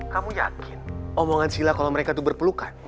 kamu yakin omongan sila kalau mereka itu berpelukan